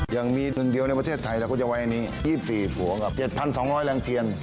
ยังมีหนึ่งเดียวในประเทศไทยควรจะเอาอันนี้๒๔ห่วง๗๒๐๐แรงเทียน